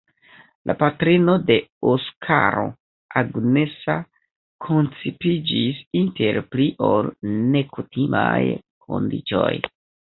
La patrino de Oskaro – Agnesa – koncipiĝis inter pli ol nekutimaj kondiĉoj.